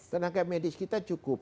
tenaga medis kita cukup